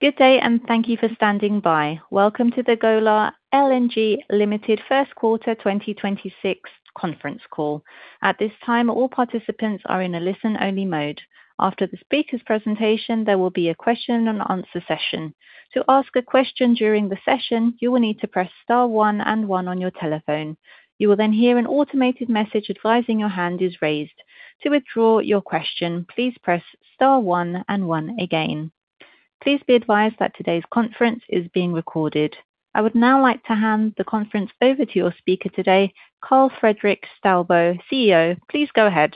Good day and thank you for standing by. Welcome to the Golar LNG Limited First Quarter 2026 conference call. At this time, all participants are in a listen-only mode. After the speakers' presentation, there will be a question and answer session. To ask a question during the session, you will need to press star one and one on your telephone. To withdraw your question, please press star one and one again. Please be advised that today's conference is being recorded. I would now like to hand the conference over to your speaker today, Karl Fredrik Staubo, Chief Executive Officer, please go ahead.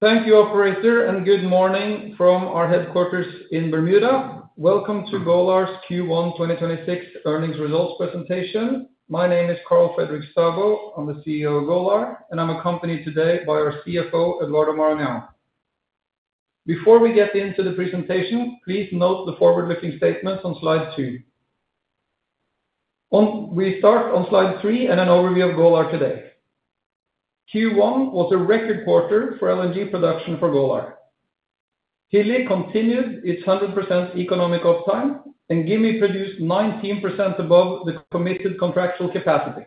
Thank you, operator. Good morning from our headquarters in Bermuda. Welcome to Golar's Q1 2026 earnings results presentation. My name is Karl Fredrik Staubo. I'm the Chief Executive Officer of Golar, and I'm accompanied today by our Chief Financial Officer, Eduardo Maranhão. Before we get into the presentation, please note the forward-looking statements on slide two. We start on slide three and an overview of Golar today. Q1 was a record quarter for LNG production for Golar. Hilli continued its 100% economic uptime, and Gimi produced 19% above the committed contractual capacity.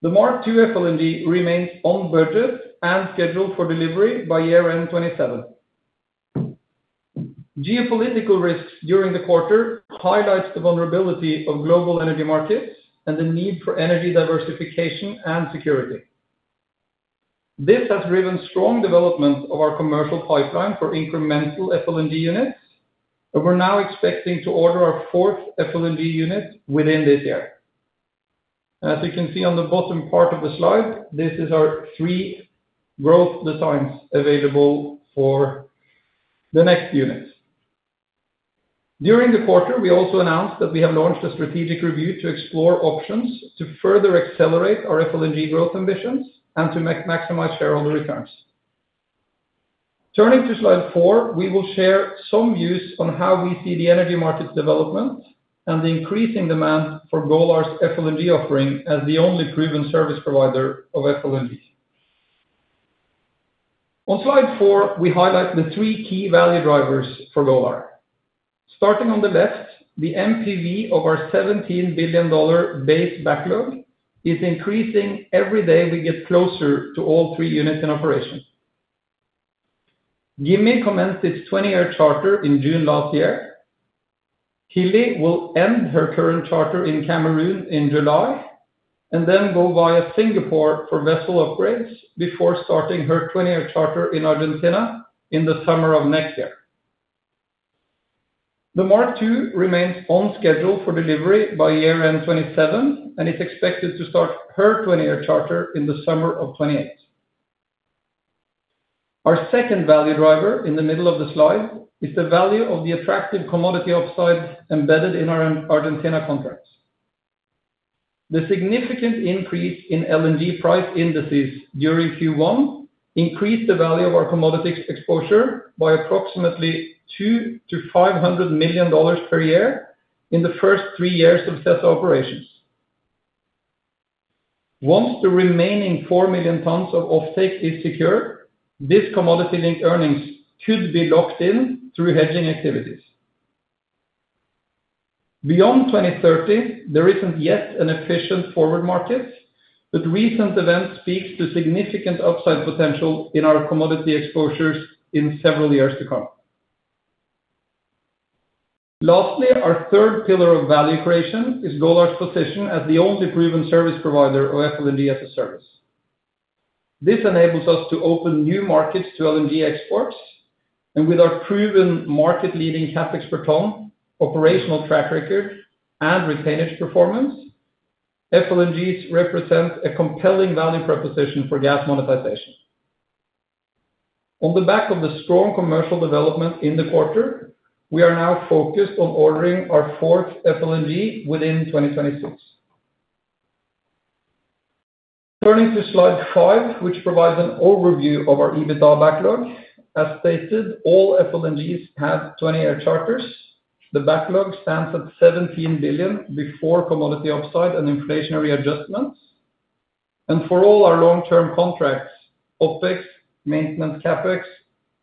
The MKII FLNG remains on budget and scheduled for delivery by year-end 2027. Geopolitical risks during the quarter highlights the vulnerability of global energy markets and the need for energy diversification and security. This has driven strong development of our commercial pipeline for incremental FLNG units, and we're now expecting to order our fourth FLNG unit within this year. As you can see on the bottom part of the slide, this is our three growth designs available for the next unit. During the quarter, we also announced that we have launched a strategic review to explore options to further accelerate our FLNG growth ambitions and to maximize shareholder returns. Turning to slide four, we will share some views on how we see the energy market development and the increasing demand for Golar's FLNG offering as the only proven service provider of FLNG. On slide four, we highlight the three key value drivers for Golar. Starting on the left, the NPV of our $17 billion base backlog is increasing every day we get closer to all three units in operation. Gimi commenced its 20-year charter in June last year. Hilli will end her current charter in Cameroon in July and then go via Singapore for vessel upgrades before starting her 20-year charter in Argentina in the summer of next year. The MKII remains on schedule for delivery by year-end 2027 and is expected to start her 20-year charter in the summer of 2028. Our second value driver in the middle of the slide is the value of the attractive commodity upside embedded in our Argentina contracts. The significant increase in LNG price indices during Q1 increased the value of our commodities exposure by approximately $2 million-$500 million per year in the first three years of SESA operations. Once the remaining four million tons of offtake is secure, this commodity linked earnings should be locked in through hedging activities. Beyond 2030, there isn't yet an efficient forward market, but recent events speaks to significant upside potential in our commodity exposures in several years to come. Lastly, our third pillar of value creation is Golar's position as the only proven service provider of FLNG as a service. This enables us to open new markets to LNG exports and with our proven market leading CapEx per ton, operational track record, and retainage performance, FLNGs represent a compelling value proposition for gas monetization. On the back of the strong commercial development in the quarter, we are now focused on ordering our fourth FLNG within 2026. Turning to slide five, which provides an overview of our EBITDA backlog. As stated, all FLNGs have 20-year charters. The backlog stands at $17 billion before commodity upside and inflationary adjustments. For all our long-term contracts, OpEx, maintenance CapEx,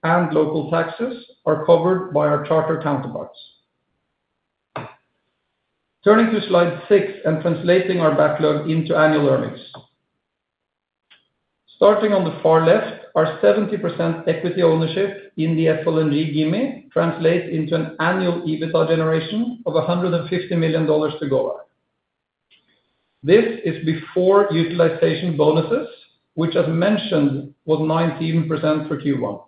and local taxes are covered by our charter counterparts. Turning to slide six and translating our backlog into annual earnings. Starting on the far left, our 70% equity ownership in the FLNG Gimi translates into an annual EBITDA generation of $150 million to Golar. This is before utilization bonuses, which as mentioned, was 19% for Q1.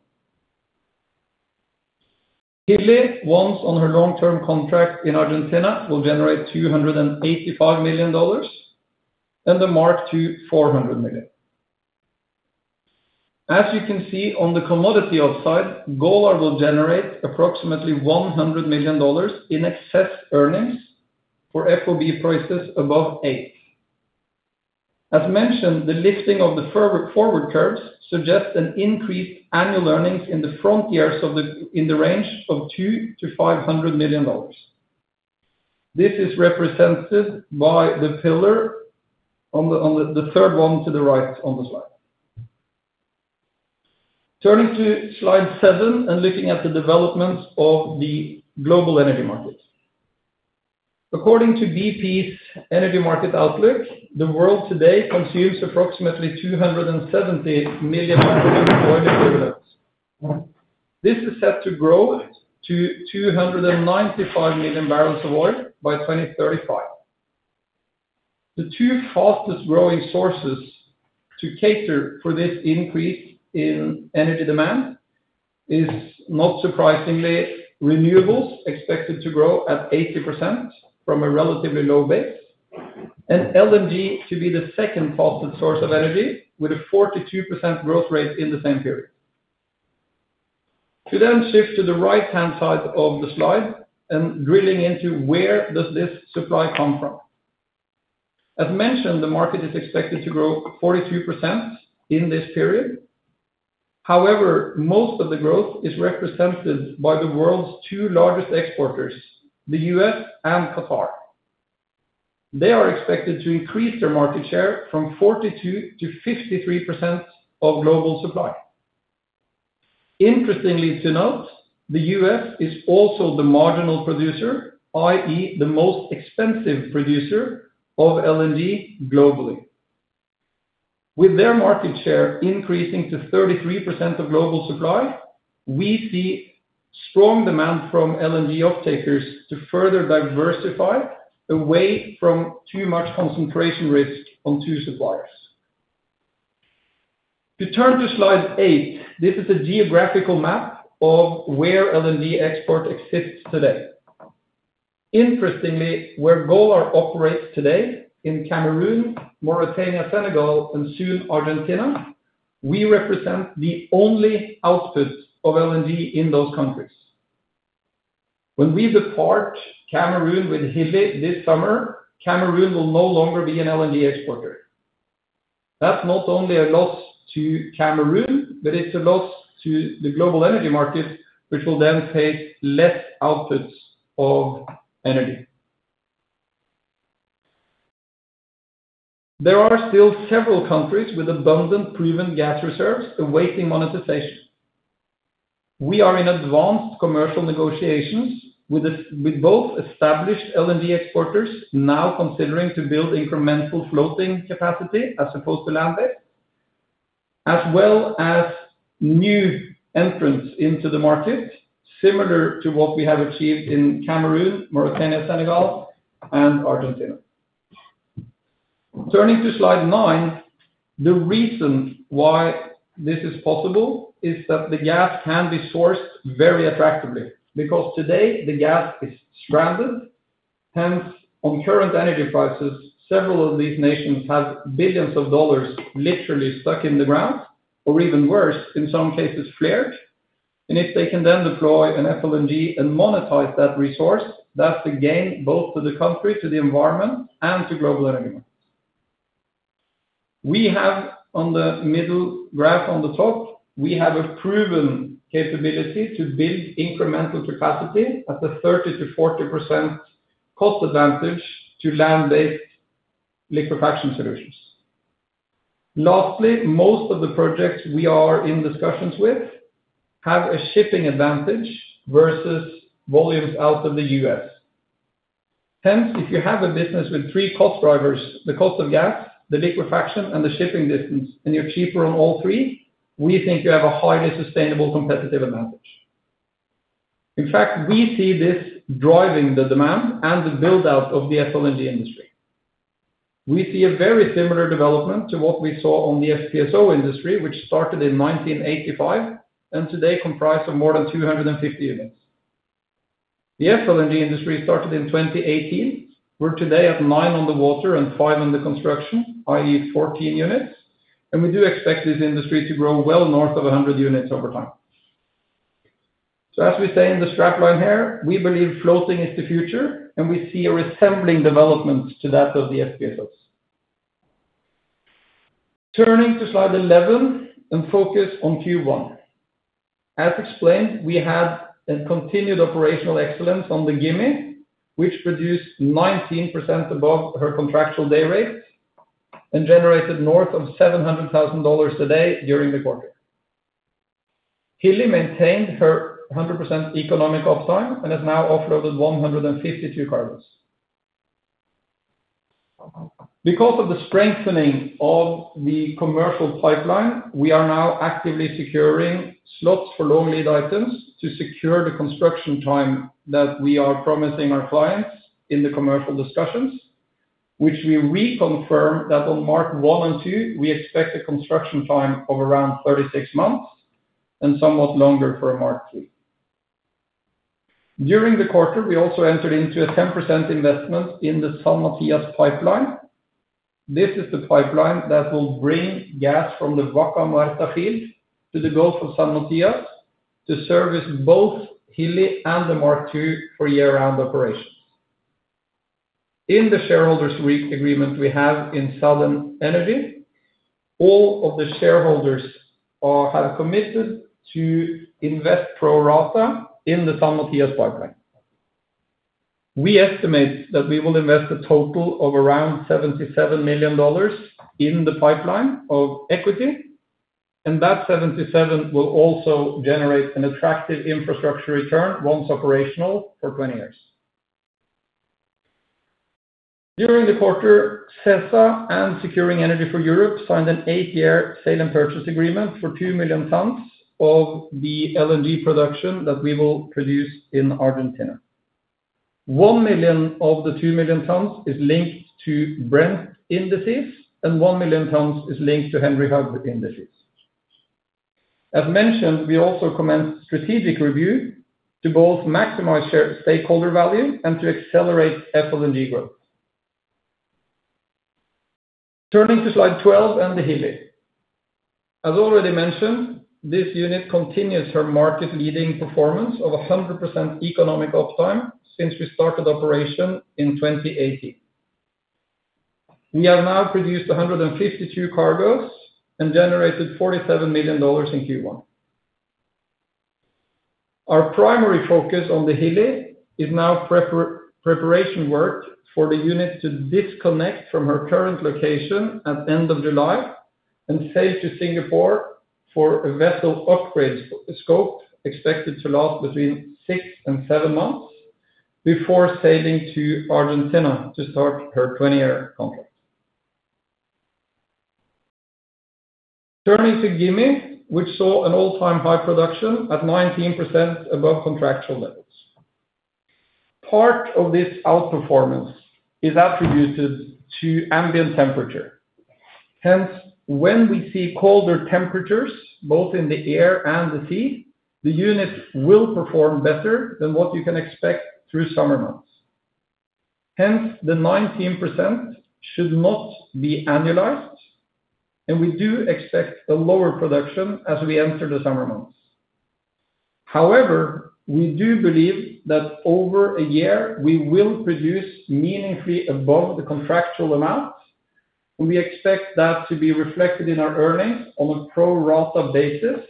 Hilli, once on her long-term contract in Argentina, will generate $285 million and the MKII, $400 million. As you can see on the commodity upside, Golar will generate approximately $100 million in excess earnings for FOB prices above eight. As mentioned, the lifting of the forward curves suggests an increased annual earnings in the front years in the range of $200 million-$500 million. This is represented by the pillar, the third one to the right on the slide. Turning to slide seven and looking at the development of the global energy market. According to BP's energy market outlook, the world today consumes approximately 270 million bbl oil equivalents. This is set to grow to 295 million bbl of oil by 2035. The two fastest-growing sources to cater for this increase in energy demand is, not surprisingly, renewables expected to grow at 80% from a relatively low base, and LNG to be the second fastest source of energy with a 42% growth rate in the same period. To shift to the right-hand side of the slide and drilling into where does this supply come from. As mentioned, the market is expected to grow 42% in this period. However, most of the growth is represented by the world's two largest exporters, the U.S. and Qatar. They are expected to increase their market share from 42% to 53% of global supply. Interestingly to note, the U.S. is also the marginal producer, i.e., the most expensive producer of LNG globally. With their market share increasing to 33% of global supply, we see strong demand from LNG off-takers to further diversify away from too much concentration risk on two suppliers. To turn to slide eight. This is a geographical map of where LNG export exists today. Interestingly, where Golar operates today in Cameroon, Mauritania, Senegal, and soon Argentina, we represent the only output of LNG in those countries. When we depart Cameroon with Hilli this summer, Cameroon will no longer be an LNG exporter. That's not only a loss to Cameroon, but it's a loss to the global energy market, which will then face less outputs of energy. There are still several countries with abundant proven gas reserves awaiting monetization. We are in advanced commercial negotiations with both established LNG exporters now considering to build incremental floating capacity as opposed to land-based, as well as new entrants into the market, similar to what we have achieved in Cameroon, Mauritania, Senegal, and Argentina. Turning to slide nine. The reason why this is possible is that the gas can be sourced very attractively because today the gas is stranded. Hence, on current energy prices, several of these nations have billions of dollars literally stuck in the ground or even worse, in some cases flared. If they can then deploy an FLNG and monetize that resource, that's a gain both to the country, to the environment, and to global energy markets. We have on the middle graph on the top, we have a proven capability to build incremental capacity at a 30%-40% cost advantage to land-based liquefaction solutions. Lastly, most of the projects we are in discussions with have a shipping advantage versus volumes out of the U.S. Hence, if you have a business with three cost drivers, the cost of gas, the liquefaction, and the shipping distance, and you are cheaper on all three, we think you have a highly sustainable competitive advantage. In fact, we see this driving the demand and the build-out of the FLNG industry. We see a very similar development to what we saw on the FPSO industry, which started in 1985 and today comprise of more than 250 units. The FLNG industry started in 2018. We're today at nine on the water and five under construction, i.e., 14 units. We do expect this industry to grow well north of 100 units over time. As we say in the strap line here, we believe floating is the future, and we see a resembling development to that of the FPSOs. Turning to slide 11 and focus on Q1. As explained, we have a continued operational excellence on the Gimi, which produced 19% above her contractual day rates and generated north of $700,000 a day during the quarter. Hilli maintained her 100% economic uptime and has now offloaded 152 cargoes. Because of the strengthening of the commercial pipeline, we are now actively securing slots for long lead items to secure the construction time that we are promising our clients in the commercial discussions, which we reconfirm that on MKI and MKII, we expect a construction time of around 36 months and somewhat longer for a MKII. During the quarter, we also entered into a 10% investment in the San Matías Pipeline. This is the Pipeline that will bring gas from the Vaca Muerta field to the Golfo San Matías to service both Hilli and the MKII for year-round operations. In the shareholders' week agreement we have in Southern Energy. All of the shareholders have committed to invest pro rata in the San Matías Pipeline. We estimate that we will invest a total of around $77 million in the Pipeline of equity. That $77 million will also generate an attractive infrastructure return once operational for 20 years. During the quarter, SESA and Securing Energy for Europe signed an eight-year sale and purchase agreement for two million tons of the LNG production that we will produce in Argentina. One million of the two million tons is linked to Brent indices and one million tons is linked to Henry Hub indices. As mentioned, we also commenced strategic review to both maximize stakeholder value and to accelerate FLNG growth. Turning to slide 12 and the Hilli. As already mentioned, this unit continues her market-leading performance of 100% economic uptime since we started operation in 2018. We have now produced 152 cargos and generated $47 million in Q1. Our primary focus on the Hilli is now preparation work for the unit to disconnect from her current location at the end of July and sail to Singapore for a vessel upgrade scope expected to last between six months and seven months before sailing to Argentina to start her 20-year contract. Turning to Gimi, which saw an all-time high production at 19% above contractual levels. Part of this outperformance is attributed to ambient temperature. Hence, when we see colder temperatures, both in the air and the sea, the unit will perform better than what you can expect through summer months. Hence, the 19% should not be annualized, and we do expect a lower production as we enter the summer months. However, we do believe that over a year, we will produce meaningfully above the contractual amount, and we expect that to be reflected in our earnings on a pro rata basis.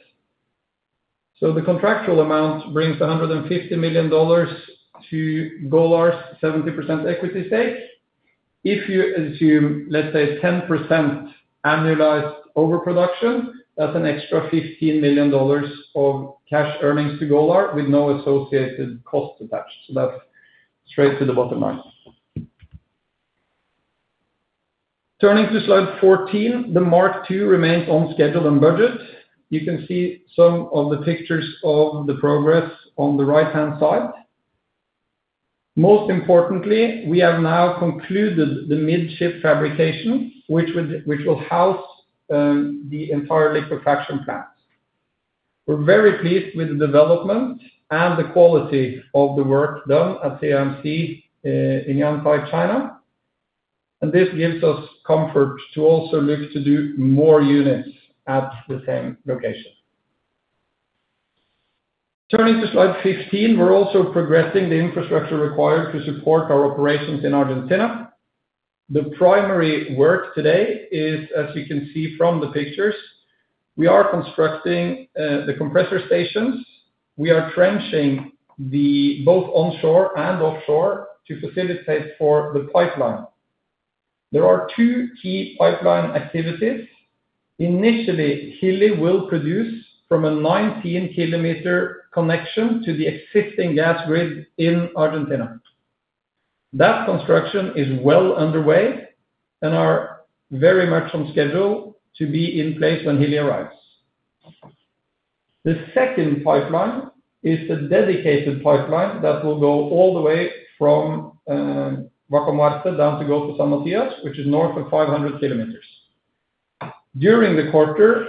The contractual amount brings $150 million to Golar's 70% equity stake. If you assume, let's say, 10% annualized overproduction, that's an extra $15 million of cash earnings to Golar with no associated cost attached. That's straight to the bottom line. Turning to slide 14, the MKII remains on schedule and budget. You can see some of the pictures of the progress on the right-hand side. Most importantly, we have now concluded the midship fabrication, which will house the entire liquefaction plant. We're very pleased with the development and the quality of the work done at CIMC in Yantai, China. This gives us comfort to also look to do more units at the same location. Turning to slide 15, we're also progressing the infrastructure required to support our operations in Argentina. The primary work today is, as you can see from the pictures, we are constructing the compressor stations. We are trenching both onshore and offshore to facilitate for the pipeline. There are two key pipeline activities. Initially, Hilli will produce from a 19-km connection to the existing gas grid in Argentina. That construction is well underway and are very much on schedule to be in place when Hilli arrives. The second pipeline is the dedicated pipeline that will go all the way from Vaca Muerta down to Golfo San Matías, which is north of 500 km. During the quarter,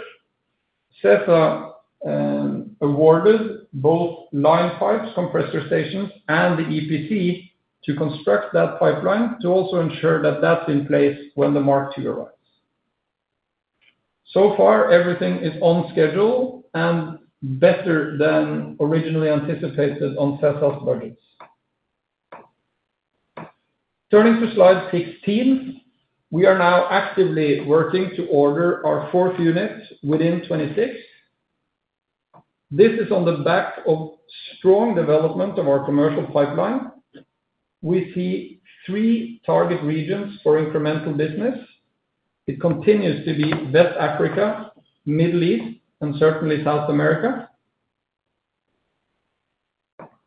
SESA awarded both line pipes, compressor stations, and the EPC to construct that pipeline to also ensure that that's in place when the MKII arrives. So far, everything is on schedule and better than originally anticipated on SESA's budgets. Turning to slide 16, we are now actively working to order our fourth unit within 2026. This is on the back of strong development of our commercial pipeline. We see three target regions for incremental business. It continues to be West Africa, Middle East, and certainly South America.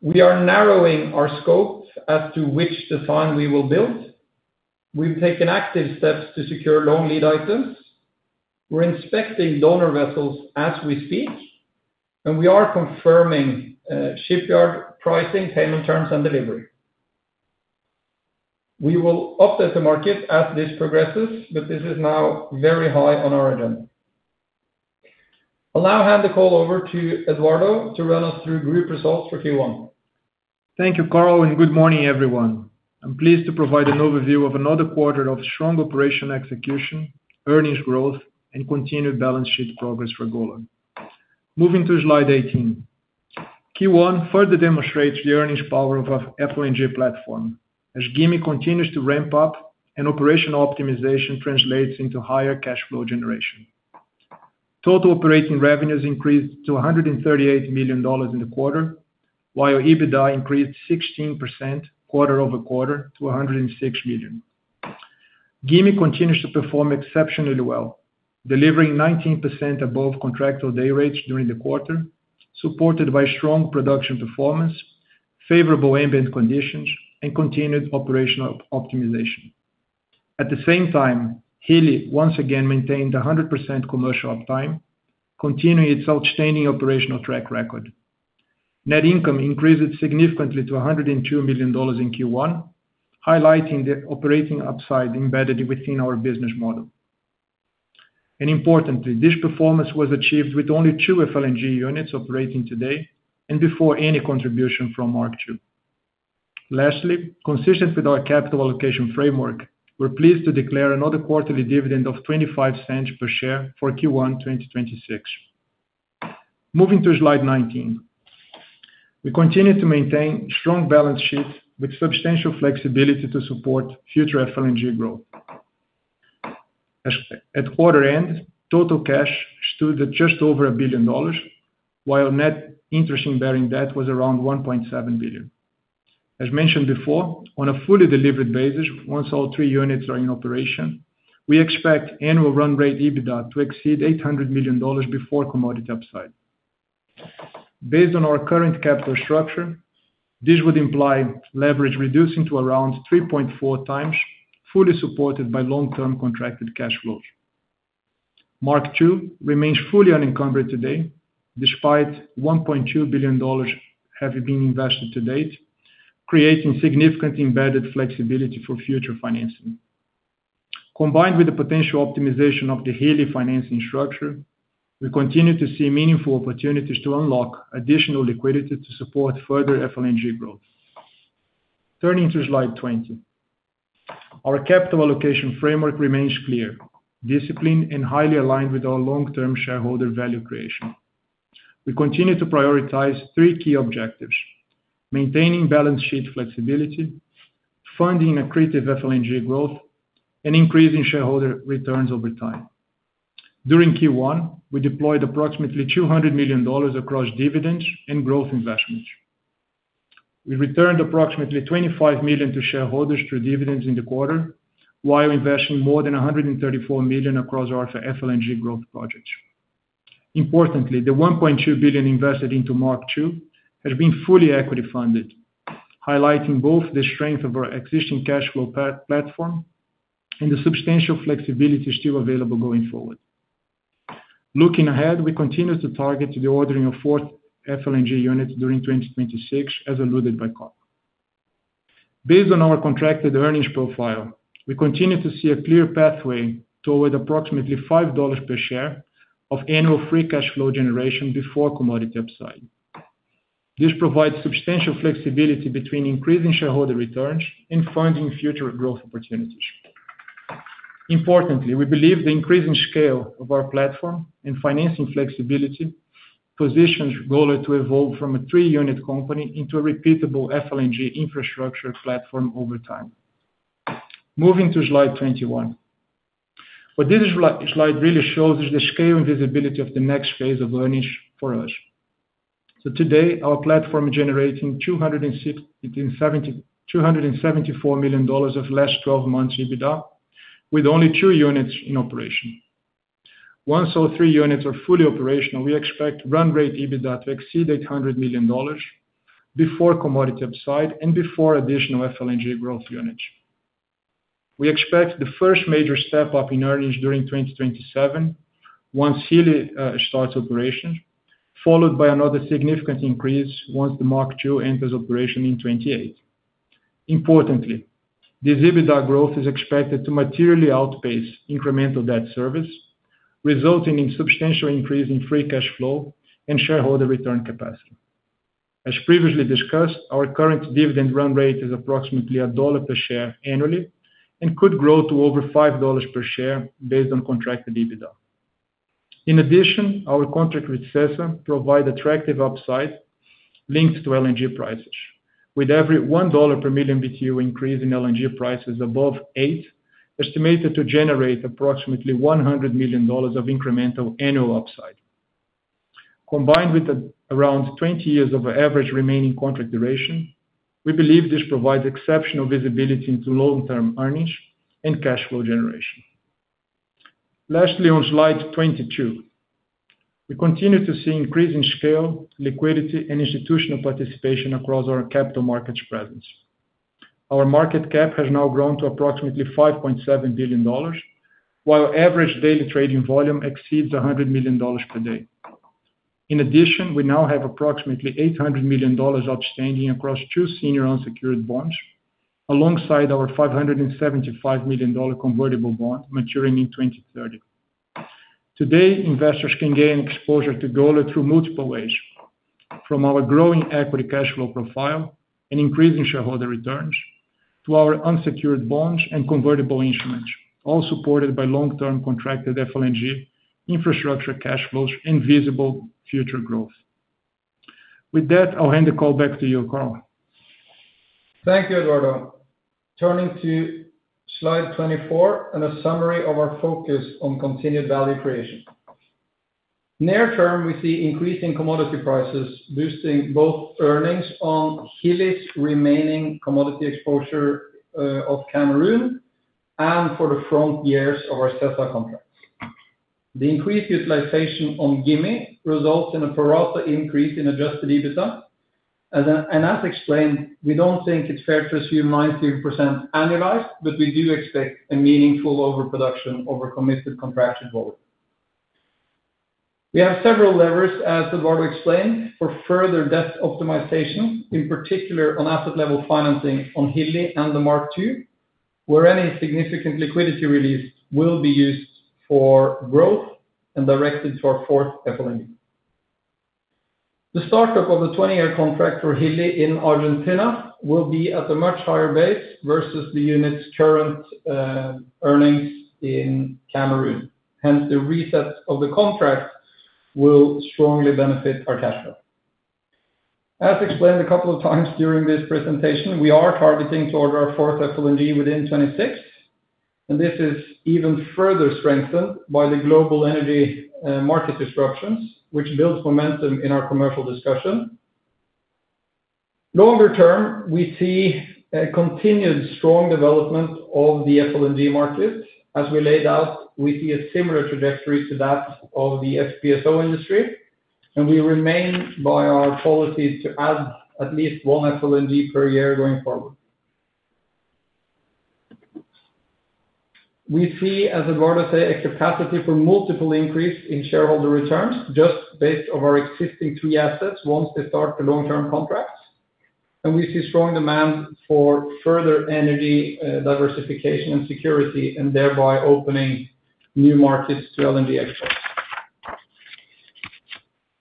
We are narrowing our scopes as to which design we will build. We've taken active steps to secure long-lead items. We're inspecting donor vessels as we speak, and we are confirming shipyard pricing, payment terms, and delivery. We will update the market as this progresses, but this is now very high on our agenda. I'll now hand the call over to Eduardo to run us through group results for Q1. Thank you, Karl, and good morning, everyone. I'm pleased to provide an overview of another quarter of strong operation execution, earnings growth, and continued balance sheet progress for Golar. Moving to slide 18. Q1 further demonstrates the earnings power of our FLNG platform, as Gimi continues to ramp up and operational optimization translates into higher cash flow generation. Total operating revenues increased to $138 million in the quarter, while EBITDA increased 16% quarter-over-quarter to $106 million. Gimi continues to perform exceptionally well, delivering 19% above contractual day rates during the quarter, supported by strong production performance, favorable ambient conditions, and continued operational optimization. At the same time, Hilli, once again, maintained 100% commercial uptime, continuing its outstanding operational track record. Net income increased significantly to $102 million in Q1, highlighting the operating upside embedded within our business model. Importantly, this performance was achieved with only two FLNG units operating today, and before any contribution from MKII. Lastly, consistent with our capital allocation framework, we're pleased to declare another quarterly dividend of $0.25 per share for Q1 2026. Moving to slide 19. We continue to maintain strong balance sheets with substantial flexibility to support future FLNG growth. At quarter-end, total cash stood at just over $1 billion, while net interest-bearing debt was around $1.7 billion. As mentioned before, on a fully delivered basis, once all three units are in operation, we expect annual run rate EBITDA to exceed $800 million before commodity upside. Based on our current capital structure, this would imply leverage reducing to around 3.4x, fully supported by long-term contracted cash flows. MKII remains fully unencumbered today, despite $1.2 billion having been invested to date, creating significant embedded flexibility for future financing. Combined with the potential optimization of the Hilli financing structure, we continue to see meaningful opportunities to unlock additional liquidity to support further FLNG growth. Turning to slide 20. Our capital allocation framework remains clear, disciplined, and highly aligned with our long-term shareholder value creation. We continue to prioritize three key objectives: maintaining balance sheet flexibility, funding accretive FLNG growth, and increasing shareholder returns over time. During Q1, we deployed approximately $200 million across dividends and growth investments. We returned approximately $25 million to shareholders through dividends in the quarter, while investing more than $134 million across our FLNG growth projects. Importantly, the $1.2 billion invested into MKII has been fully equity-funded, highlighting both the strength of our existing cash flow platform and the substantial flexibility still available going forward. Looking ahead, we continue to target the ordering of fourth FLNG unit during 2026, as alluded by Karl. Based on our contracted earnings profile, we continue to see a clear pathway toward approximately $5 per share of annual free cash flow generation before commodity upside. This provides substantial flexibility between increasing shareholder returns and funding future growth opportunities. Importantly, we believe the increasing scale of our platform and financing flexibility positions Golar to evolve from a three-unit company into a repeatable FLNG infrastructure platform over time. Moving to slide 21. What this slide really shows is the scale and visibility of the next phase of earnings for us. Today, our platform is generating $274 million of last 12 months EBITDA with only two units in operation. Once all three units are fully operational, we expect run rate EBITDA to exceed $800 million before commodity upside and before additional FLNG growth units. We expect the first major step-up in earnings during 2027 once Hilli starts operation, followed by another significant increase once the MKII enters operation in 2028. Importantly, this EBITDA growth is expected to materially outpace incremental debt service, resulting in substantial increase in free cash flow and shareholder return capacity. As previously discussed, our current dividend run rate is approximately $1 per share annually and could grow to over $5 per share based on contracted EBITDA. In addition, our contract with SESA provide attractive upside links to LNG prices. With every $1 per million BTU increase in LNG prices above eight, estimated to generate approximately $100 million of incremental annual upside. Combined with around 20 years of average remaining contract duration, we believe this provides exceptional visibility into long-term earnings and cash flow generation. Lastly, on slide 22. We continue to see increasing scale, liquidity, and institutional participation across our capital markets presence. Our market cap has now grown to approximately $5.7 billion, while average daily trading volume exceeds $100 million per day. In addition, we now have approximately $800 million outstanding across two senior unsecured bonds, alongside our $575 million convertible bond maturing in 2030. Today, investors can gain exposure to Golar through multiple ways, from our growing equity cash flow profile and increasing shareholder returns to our unsecured bonds and convertible instruments, all supported by long-term contracted FLNG infrastructure cash flows and visible future growth. With that, I'll hand the call back to you, Karl. Thank you, Eduardo. Turning to slide 24 and a summary of our focus on continued value creation. Near term, we see increasing commodity prices boosting both earnings on Hilli's remaining commodity exposure of Cameroon and for the front years of our SESA contracts. The increased utilization on Gimi results in a pro rata increase in adjusted EBITDA. As explained, we don't think it's fair to assume 90% annualized, but we do expect a meaningful overproduction over committed contracted volume. We have several levers, as Eduardo explained, for further debt optimization, in particular on asset level financing on Hilli and the MKII, where any significant liquidity release will be used for growth and directed to our fourth FLNG. The startup of the 20-year contract for Hilli in Argentina will be at a much higher base versus the unit's current earnings in Cameroon. Hence, the reset of the contract will strongly benefit our cash flow. As explained a couple of times during this presentation, we are targeting to order our fourth FLNG within 2026, and this is even further strengthened by the global energy market disruptions, which builds momentum in our commercial discussion. Longer term, we see a continued strong development of the FLNG market. As we laid out, we see a similar trajectory to that of the FPSO industry, and we remain by our policy to add at least one FLNG per year going forward. We see, as Eduardo said, a capacity for multiple increase in shareholder returns just based on our existing three assets once they start the long-term contracts. We see strong demand for further energy diversification and security, and thereby opening new markets to LNG exports.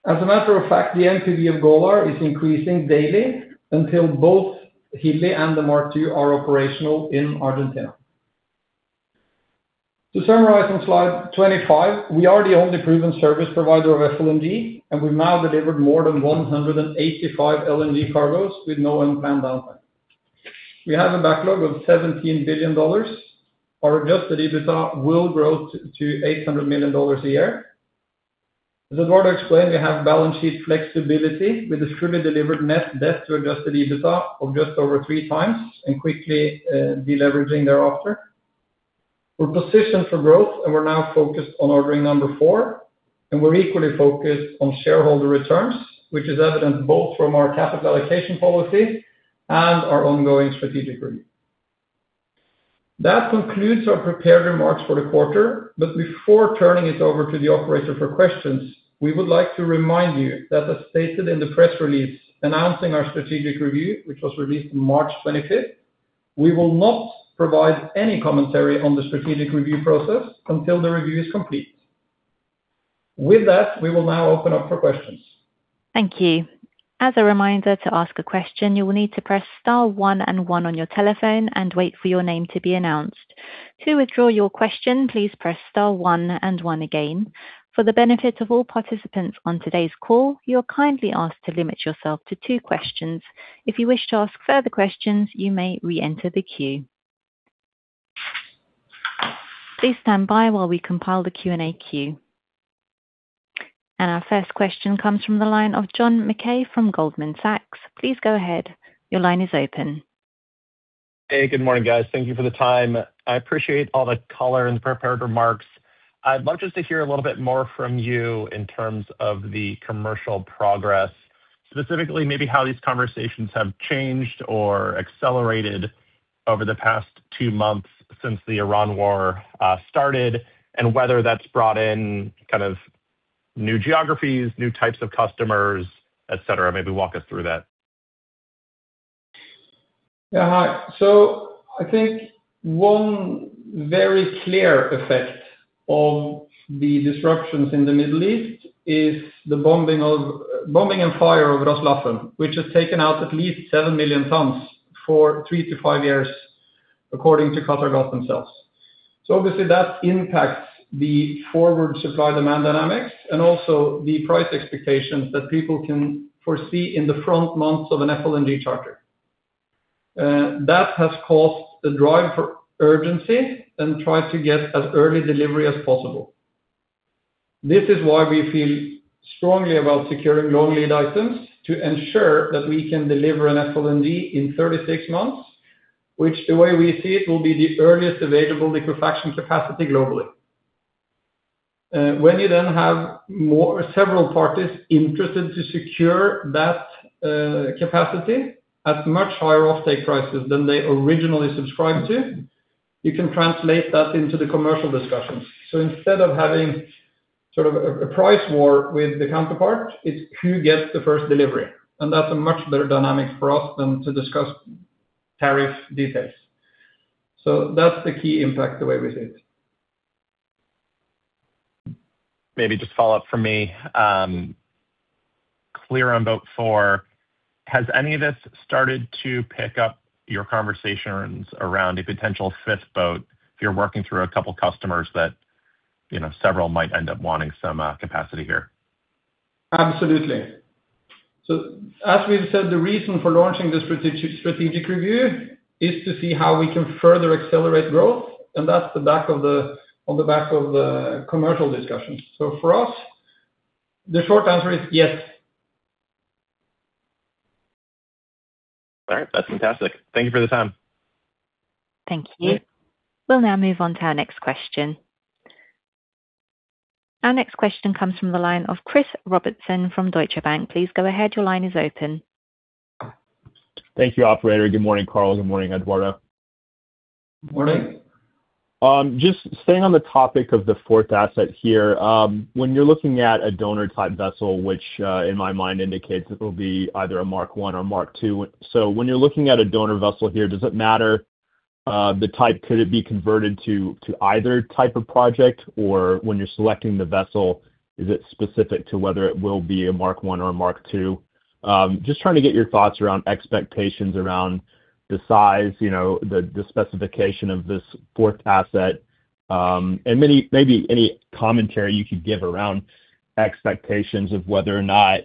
As a matter of fact, the NPV of Golar is increasing daily until both Hilli and the MKII are operational in Argentina. To summarize on slide 25, we are the only proven service provider of FLNG, and we have now delivered more than 185 LNG cargoes with no unplanned downtime. We have a backlog of $17 billion. Our adjusted EBITDA will grow to $800 million a year. As Eduardo explained, we have balance sheet flexibility with a fully delivered net debt to adjusted EBITDA of just over 3x and quickly de-leveraging thereafter. We are positioned for growth and we are now focused on ordering number four. We are equally focused on shareholder returns, which is evident both from our capital allocation policy and our ongoing strategic review. That concludes our prepared remarks for the quarter. Before turning it over to the operator for questions, we would like to remind you that as stated in the press release announcing our strategic review, which was released on March 25th, we will not provide any commentary on the strategic review process until the review is complete. With that, we will now open up for questions. Thank you. As a reminder, to ask a question, you will need to press star one and one on your telephone and wait for your name to be announced. To withdraw your question, please press star one and one again. For the benefit of all participants on today's call, you are kindly asked to limit yourself to two questions. If you wish to ask further questions, you may re-enter the queue. Please stand by while we compile the Q&A queue. Our first question comes from the line of John Mackay from Goldman Sachs, please go ahead your line is open. Hey, good morning guys? Thank you for the time. I appreciate all the color and prepared remarks. I'd love just to hear a little bit more from you in terms of the commercial progress. Specifically, maybe how these conversations have changed or accelerated over the past two months since the Iran war started, and whether that's brought in new geographies, new types of customers, et cetera. Maybe walk us through that. Yeah. Hi. I think one very clear effect of the disruptions in the Middle East is the bombing and fire of Ras Laffan, which has taken out at least seven million tons for three years-five years, according to Qatargas themselves. Obviously that impacts the forward supply demand dynamics and also the price expectations that people can foresee in the front months of an FLNG charter. That has caused the drive for urgency and try to get as early delivery as possible. This is why we feel strongly about securing long lead items to ensure that we can deliver an FLNG in 36 months, which the way we see it will be the earliest available liquefaction capacity globally. When you then have several parties interested to secure that capacity at much higher offtake prices than they originally subscribed to, you can translate that into the commercial discussions. Instead of having a price war with the counterpart, it's who gets the first delivery. That's a much better dynamic for us than to discuss tariff details. That's the key impact the way we see it. Maybe just follow up for me. Clear on boat four. Has any of this started to pick up your conversations around a potential fifth boat if you're working through a couple customers that several might end up wanting some capacity here? Absolutely. As we've said, the reason for launching the strategic review is to see how we can further accelerate growth, and that's on the back of the commercial discussions. For us, the short answer is yes. All right. That's fantastic. Thank you for the time. Thank you. We'll now move on to our next question. Our next question comes from the line of Christopher Robertson from Deutsche Bank, please go ahead your line is open. Thank you, operator. Good morning Karl? Good morning Eduardo? Morning. Just staying on the topic of the fourth asset here. When you're looking at a donor type vessel, which, in my mind, indicates it'll be either a MKI or MKII. When you're looking at a donor vessel here, does it matter the type, could it be converted to either type of project? When you're selecting the vessel, is it specific to whether it will be a MKI or a MKII? Just trying to get your thoughts around expectations around the size, the specification of this fourth asset. Maybe any commentary you could give around expectations of whether or not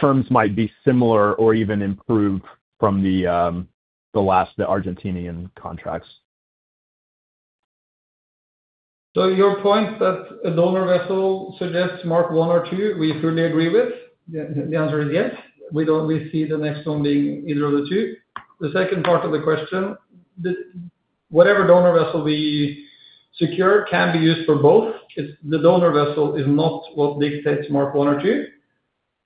terms might be similar or even improved from the Argentinian contracts. Your point that a donor vessel suggests MKI or MKII, we firmly agree with. The answer is yes. We see the next one being either of the two. The second part of the question, whatever donor vessel we secure can be used for both. The donor vessel is not what dictates MKI or MKII.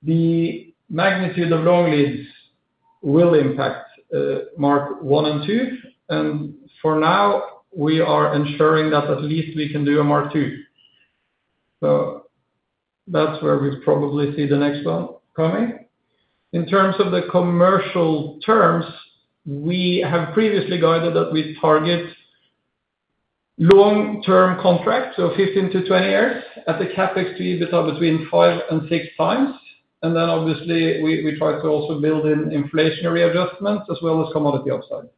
The magnitude of long leads will impact MKI and MKII. For now, we are ensuring that at least we can do a MKII. That's where we probably see the next one coming. In terms of the commercial terms, we have previously guided that we target long-term contracts, so 15 to 20 years at the CapEx to EBITDA between 5x and 6x. Obviously, we try to also build in inflationary adjustments as well as commodity upside.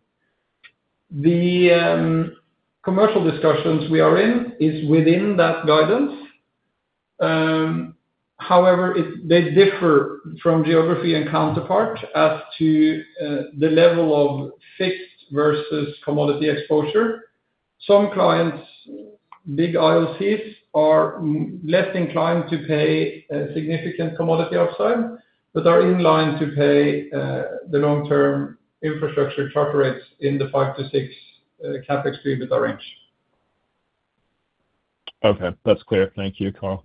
The commercial discussions we are in is within that guidance. However, they differ from geography and counterpart as to the level of fixed versus commodity exposure. Some clients, big IOCs, are less inclined to pay a significant commodity upside, but are in line to pay the long-term infrastructure charter rates in the five to six CapEx to EBITDA range. Okay. That's clear. Thank you, Karl.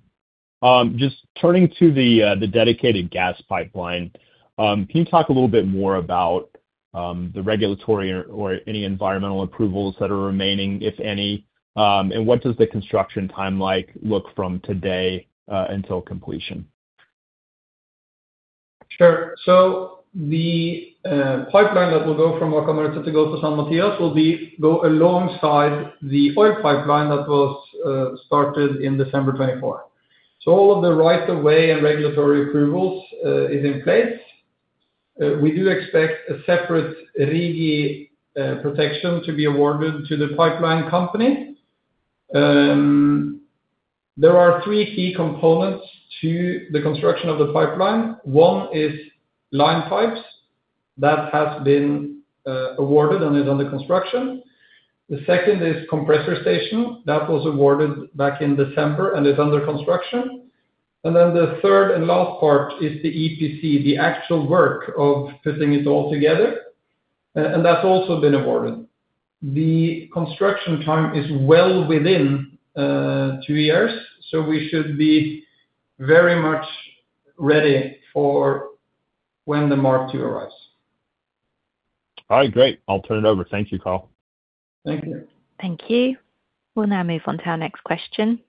Just turning to the dedicated gas pipeline. Can you talk a little bit more about the regulatory or any environmental approvals that are remaining, if any? What does the construction timeline look from today until completion? Sure. The pipeline that will go from Vaca Muerta to go to San Matías will go alongside the oil pipeline that was started in December 2024. All of the right of way and regulatory approvals is in place. We do expect a separate RIGI protection to be awarded to the pipeline company. There are three key components to the construction of the pipeline. One is line pipes. That has been awarded and is under construction. The second is compressor station. That was awarded back in December and is under construction. The third and last part is the EPC, the actual work of putting it all together. That's also been awarded. The construction time is well within two years. We should be very much ready for when the MKII arrives. All right. Great. I'll turn it over. Thank you, Karl. Thank you. Thank you. We'll now move on to our next question.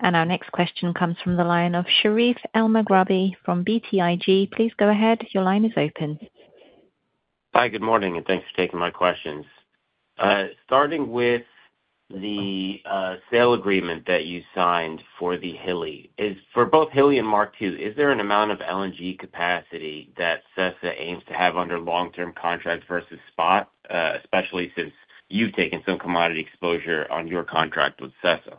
Our next question comes from the line of Sherif Elmaghrabi from BTIG, please go ahead your line is open. Hi, good morning, and thanks for taking my questions. Starting with the sale agreement that you signed for the Hilli. For both Hilli and MKII, is there an amount of LNG capacity that SESA aims to have under long-term contracts versus spot? Especially since you've taken some commodity exposure on your contract with SESA.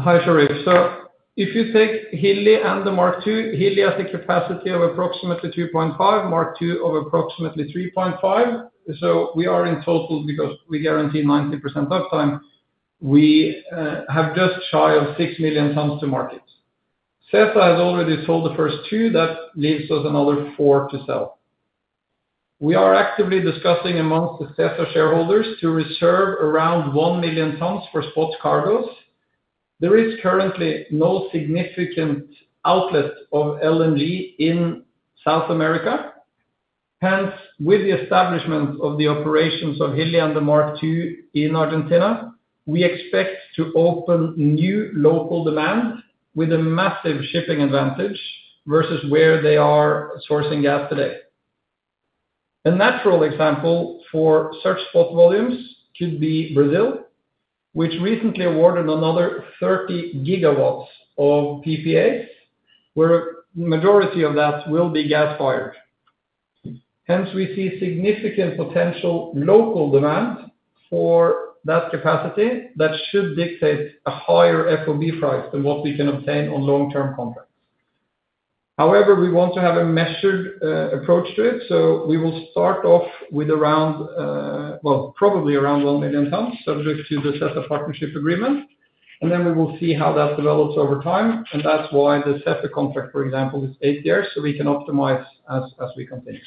Hi, Sherif. If you take Hilli and the MKII, Hilli has a capacity of approximately 2.5, MKII of approximately 3.5. We are in total because we guarantee 90% uptime. We have just shy of six million tons to market. SESA has already sold the first two million tons. That leaves us another four million tons to sell. We are actively discussing amongst the SESA shareholders to reserve around one million tons for spot cargoes. There is currently no significant outlet of LNG in South America. Hence, with the establishment of the operations of Hilli and the MKII in Argentina, we expect to open new local demand with a massive shipping advantage versus where they are sourcing gas today. A natural example for such spot volumes could be Brazil, which recently awarded another 30 GW of PPAs, where majority of that will be gas-fired. Hence we see significant potential local demand for that capacity that should dictate a higher FOB price than what we can obtain on long-term contracts. However, we want to have a measured approach to it, so we will start off with, well, probably around one million tons, subject to the SESA partnership agreement, and then we will see how that develops over time. That's why the set of contract, for example, is eight years, so we can optimize as we continue.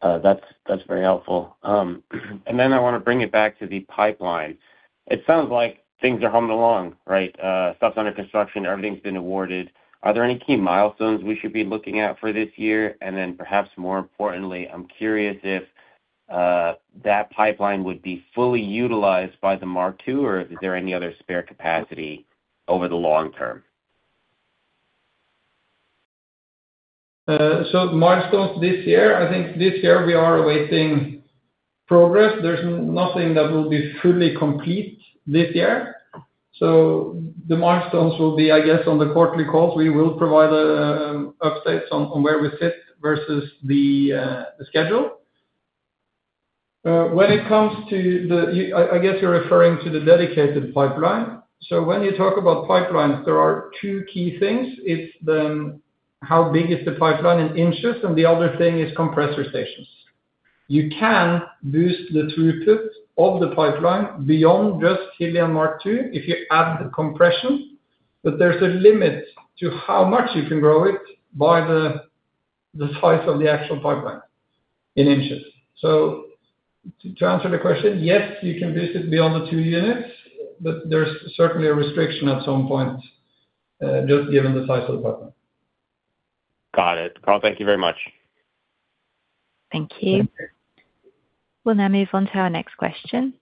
That's very helpful. I want to bring it back to the pipeline. It sounds like things are humming along, right? Stuff's under construction. Everything's been awarded. Are there any key milestones we should be looking at for this year? Perhaps more importantly, I'm curious if that pipeline would be fully utilized by the MKII or is there any other spare capacity over the long term? Milestones this year, I think this year we are awaiting progress. There's nothing that will be fully complete this year. The milestones will be, I guess, on the quarterly calls. We will provide updates on where we sit versus the schedule. I guess you're referring to the dedicated pipeline. When you talk about pipelines, there are two key things. It's the how big is the pipeline in inches, and the other thing is compressor stations. You can boost the throughput of the pipeline beyond just Hilli, MKII if you add the compression, but there's a limit to how much you can grow it by the size of the actual pipeline in inches. To answer the question, yes, you can boost it beyond the two units, but there's certainly a restriction at some point, just given the size of the pipeline. Got it. Karl, thank you very much. Thank you. We'll now move on to our next question.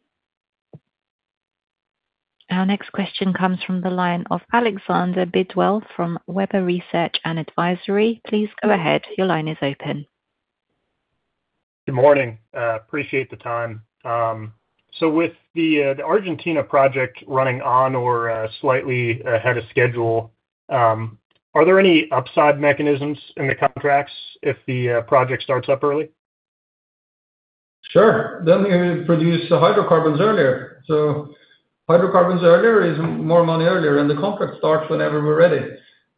Our next question comes from the line of Alexander Bidwell from Webber Research & Advisory, please go ahead your line is open. Good morning? Appreciate the time. With the Argentina project running on or slightly ahead of schedule, are there any upside mechanisms in the contracts if the project starts up early? Sure. We produce the hydrocarbons earlier. Hydrocarbons earlier is more money earlier, and the contract starts whenever we're ready.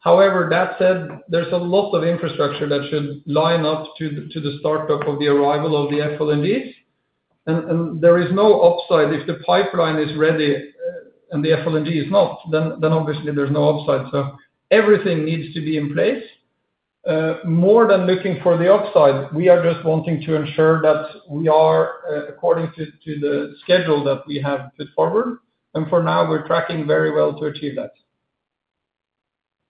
However, that said, there's a lot of infrastructure that should line up to the startup of the arrival of the FLNGs. There is no upside. If the pipeline is ready and the FLNG is not, then obviously there's no upside. Everything needs to be in place. More than looking for the upside, we are just wanting to ensure that we are according to the schedule that we have put forward. For now, we're tracking very well to achieve that.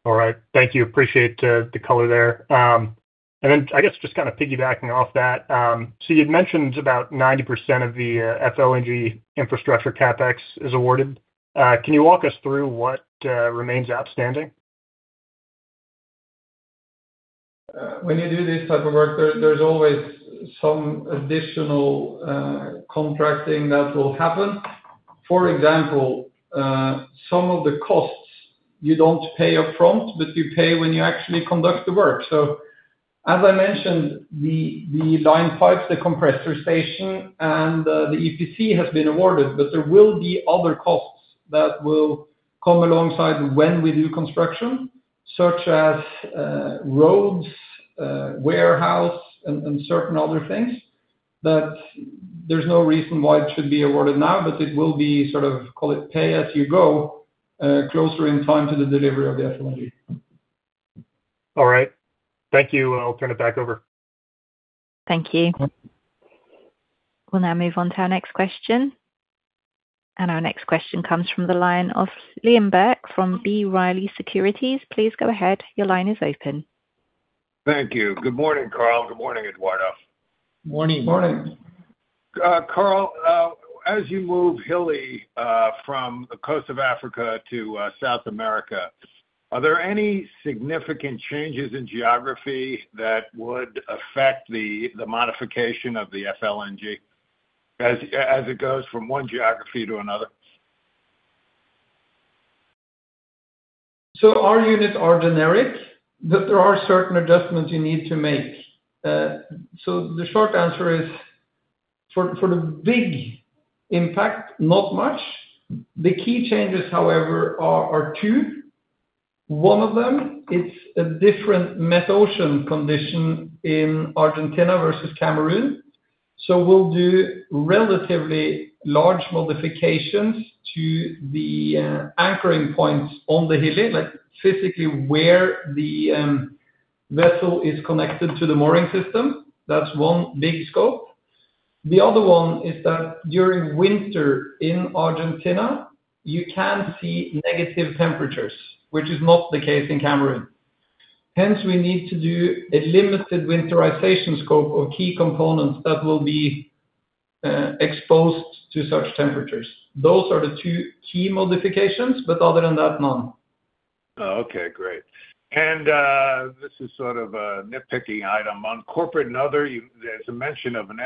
All right. Thank you. Appreciate the color there. I guess just kind of piggybacking off that, so you'd mentioned about 90% of the FLNG infrastructure CapEx is awarded. Can you walk us through what remains outstanding? When you do this type of work, there's always some additional contracting that will happen. For example, some of the costs you don't pay upfront, but you pay when you actually conduct the work. As I mentioned, the line pipes, the compressor station and the EPC has been awarded, but there will be other costs that will come alongside when we do construction, such as roads, warehouse and certain other things that there's no reason why it should be awarded now, but it will be sort of call it pay as you go, closer in time to the delivery of the FLNG. All right. Thank you. I'll turn it back over. Thank you. We'll now move on to our next question. Our next question comes from the line of Liam Burke from B. Riley Securities, please go ahead your line is open. Thank you. Good morning Karl? Good morning Eduardo? Morning. Morning. Karl, as you move Hilli from the coast of Africa to South America, are there any significant changes in geography that would affect the modification of the FLNG as it goes from one geography to another? Our units are generic, but there are certain adjustments you need to make. The short answer is for the big impact, not much. The key changes, however, are two. One of them, it's a different metocean condition in Argentina versus Cameroon. We'll do relatively large modifications to the anchoring points on the Hilli, like physically where the vessel is connected to the mooring system. That's one big scope. The other one is that during winter in Argentina, you can see negative temperatures, which is not the case in Cameroon. Hence, we need to do a limited winterization scope of key components that will be exposed to such temperatures. Those are the two key modifications, but other than that, none. Oh, okay. Great. This is sort of a nitpicky item. On corporate and other, there's a mention of an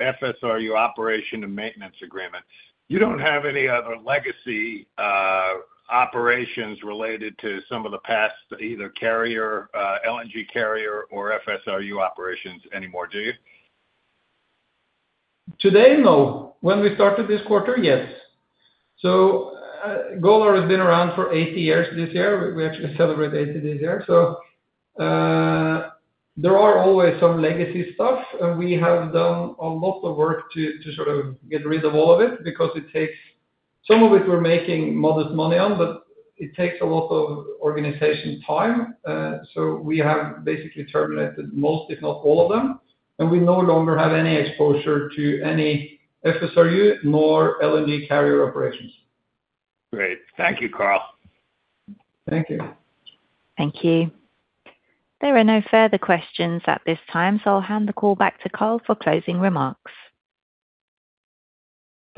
FSRU operation and maintenance agreement. You don't have any other legacy operations related to some of the past, either LNG carrier or FSRU operations anymore, do you? Today, no. When we started this quarter, yes. Golar has been around for 80 years this year. We actually celebrate 80 this year. There are always some legacy stuff. We have done a lot of work to sort of get rid of all of it because some of it we're making modest money on, but it takes a lot of organization time. We have basically terminated most, if not all of them. We no longer have any exposure to any FSRU nor LNG carrier operations. Great. Thank you, Karl. Thank you. Thank you. There are no further questions at this time, so I'll hand the call back to Karl for closing remarks.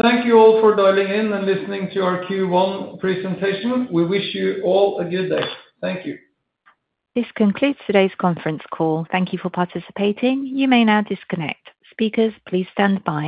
Thank you all for dialing in and listening to our Q1 presentation. We wish you all a good day. Thank you. This concludes today's conference call. Thank you for participating, you may now disconnect. Speakers, please stand by.